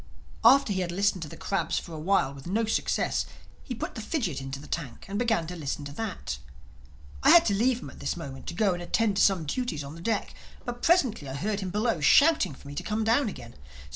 After he had listened to the crabs for a while with no success, he put the fidgit into the tank and began to listen to that. I had to leave him at this moment to go and attend to some duties on the deck. But presently I heard him below shouting for me to come down again.